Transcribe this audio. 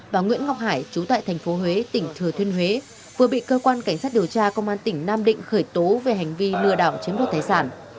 và nguyễn ngọc hải trú tại thành phố huế tỉnh thừa thuyên huế vừa bị cơ quan cảnh sát điều tra công an tỉnh nam định khởi tố về hành vi lừa đảo chiếm đoạt tài sản